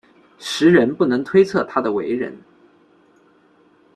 时人不能推测他的为人。